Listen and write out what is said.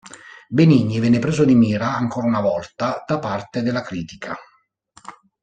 Benigni venne preso di mira ancora una volta da parte della critica.